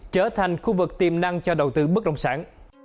trở thành khu vực tiềm năng cho đầu tư bất động sản